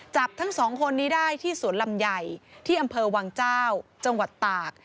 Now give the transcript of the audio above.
จับทั้งสองคนนี้ได้ที่สวนลำใหญ่ที่อำเภอวังเจ้าจังหวัดตาก